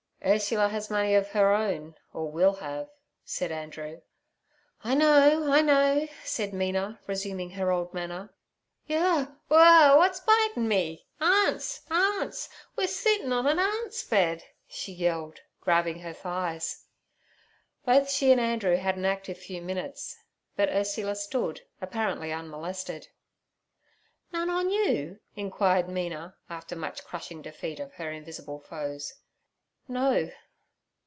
'Ursula has money of her own, or will have' said Andrew. 'I know, I know' said Mina, resuming her old manner. 'Yuh whur! w'at's bitin' me? Arnts, arnts! We're sittin' on an arnts' bed' she yelled, grabbing her thighs. Both she and Andrew had an active few minutes, but Ursula stood apparently unmolested. 'None on you?' inquired Mina, after much crushing defeat of her invisible foes. 'No.'